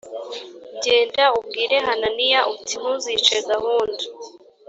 genda ubwire hananiya uti ntuzice gahunda